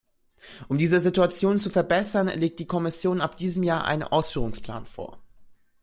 Um diese Situation zu verbessern, legt die Kommission ab diesem Jahr einen Ausführungsplan vor.